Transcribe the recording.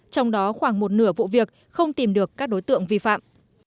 trong đó khoảng một nửa vụ việc không tìm được các đối tượng vi phạm